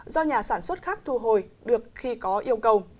do nhà sản xuất khác thu hồi được khi có yêu cầu